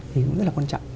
thì cũng rất là quan trọng